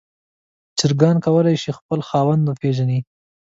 چرګان کولی شي خپل خاوند وپیژني.